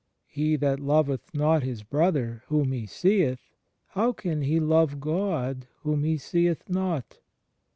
"He that loveth not his brother, whom he seeth, how can he love God, whom he seeth not?"